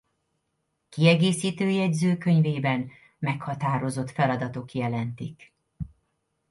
Kiegészítő Jegyzőkönyvében meghatározott feladatok jelentik.